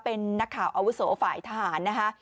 เป็นนักข่าวอาวุโสฝ่ายทหารนะคะ